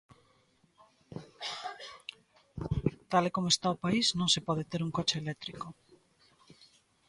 Tal e como está o país non se pode ter un coche eléctrico.